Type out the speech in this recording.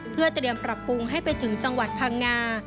เพื่อเตรียมปรับปรุงให้ไปถึงจังหวัดพังงา